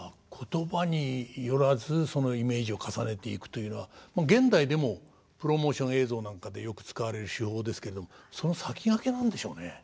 言葉によらずそのイメージを重ねていくというのは現代でもプロモーション映像なんかでよく使われる手法ですけれどその先駆けなんでしょうね。